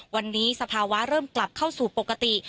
วันนี้สภาวะเริ่มกลับเข้าสู่ปกติ